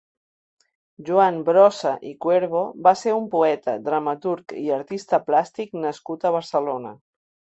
Joan Brossa i Cuervo va ser un poeta, dramaturg i artista plàstic nascut a Barcelona.